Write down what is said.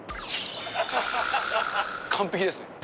完璧ですね。